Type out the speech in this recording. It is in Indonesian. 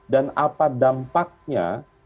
dan apa dampaknya